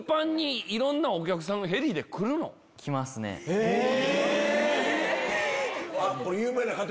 へぇ！